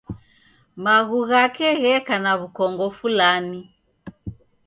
Maghu ghake gheka na w'ukongo fulani.